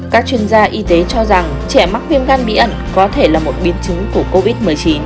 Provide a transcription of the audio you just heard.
các chuyên gia y tế cho rằng trẻ mắc viêm gan bí ẩn có thể là một biến chứng của covid một mươi chín